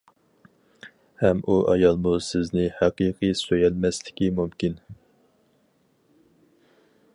ھەم ئۇ ئايالمۇ سىزنى ھەقىقىي سۆيەلمەسلىكى مۇمكىن.